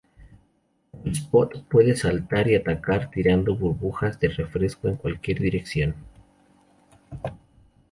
Cool Spot puede saltar y atacar tirando burbujas de refresco en cualquier dirección.